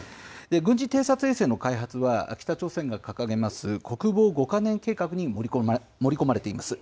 軍事偵察衛星の開発は、北朝鮮が掲げます、国防５か年計画に盛り込まれています。